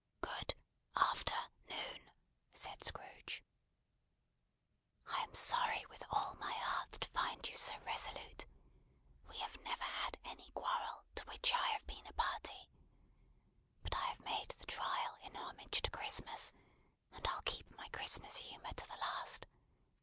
"Good afternoon," said Scrooge. "I am sorry, with all my heart, to find you so resolute. We have never had any quarrel, to which I have been a party. But I have made the trial in homage to Christmas, and I'll keep my Christmas humour to the last.